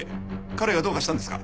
彼がどうかしたんですか？